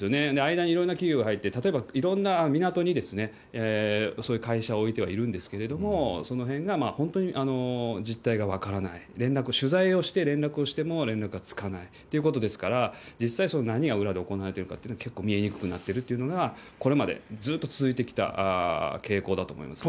間にいろんな企業が入って、例えばいろんな港にそういう会社を置いてはいるんですけれども、そのへんが本当に実態が分からない、連絡、取材をして連絡をしても連絡がつかないということですから、実際、何が裏で行われているかというのは結構見えにくくなっているっていうのが、これまでずっと続いてきた傾向だと思います。